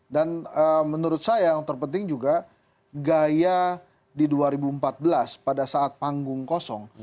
dan menurut saya yang terpenting juga gaya di dua ribu empat belas pada saat panggung kosong